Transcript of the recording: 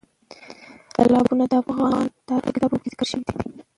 تالابونه د افغان تاریخ په کتابونو کې ذکر شوي دي.